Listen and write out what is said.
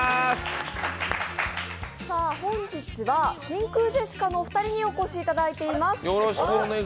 本日は真空ジェシカのお二人にお越しいただいています。